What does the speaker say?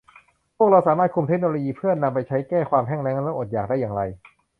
พวกเราสามารถคุมเทคโนโลยีเพื่อนำไปใช้แก้ความแห้งแล้งและอดอยากได้อย่างไร